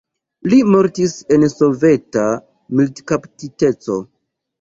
Li mortis en soveta militkaptiteco.